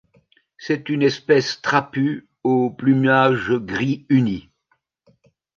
C'est une espèce trapue au plumage gris uni.